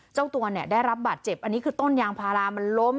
เจ้าตัวเนี่ยได้รับบาดเจ็บอันนี้คือต้นยางพารามันล้ม